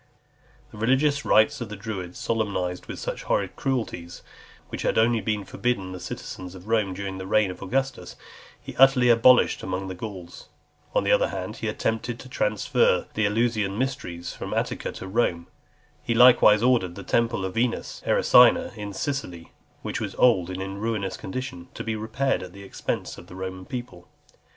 The religious rites of the Druids, solemnized with such horrid cruelties, which had only been forbidden the citizens of Rome during the reign of Augustus, he utterly abolished among the Gauls . On the other hand, he attempted (319) to transfer the Eleusinian mysteries from Attica to Rome . He likewise ordered the temple of Venus Erycina in Sicily, which was old and in a ruinous condition, to be repaired at the expense of the Roman people.